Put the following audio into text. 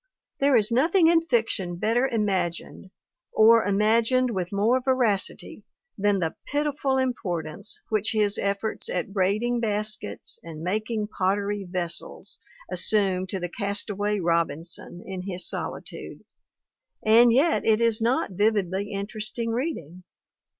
There is nothing in fiction better imagined or imagined with more veracity than the piti ful importance which his efforts at braiding baskets, and making pottery vessels, assume to the castaway Robinson in his solitude, and yet it is not vividly inter esting reading.